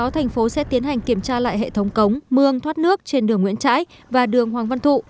thành phố sẽ tiến hành kiểm tra lại hệ thống cống mương thoát nước trên đường nguyễn trãi và đường hoàng văn thụ